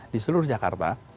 di seluruh jakarta